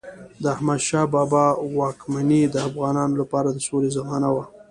د احمدشاه بابا واکمني د افغانانو لپاره د سولې زمانه وه.